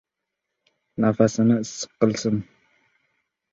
Nafasini issiq qilsin.